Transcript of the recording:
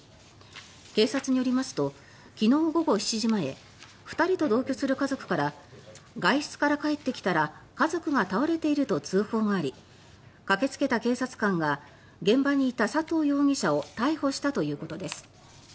警察によりますと昨日午後７時前２人と同居する家族から外出から帰ってきたら家族が倒れていると通報があり駆けつけた警察官が現場にいた佐藤容疑者を逮捕したということです。